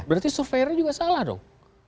berarti survei nya juga salah dong